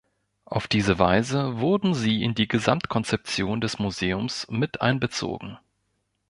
Auf diese Weise wurden sie in die Gesamtkonzeption des Museums mit einbezogen.